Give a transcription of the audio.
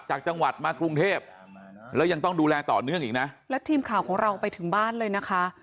จากจังหวัดมากรุงเทพแล้วยังต้องดูแลต่อเนื่องอีกนะแล้วทีมข่าวของเราไปถึงบ้านเลยนะคะ